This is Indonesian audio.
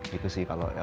gitu sih kalau